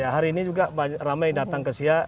hari ini juga ramai datang ke siak